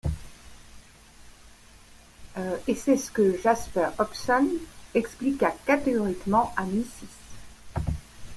Et c’est ce que Jasper Hobson expliqua catégoriquement à Mrs.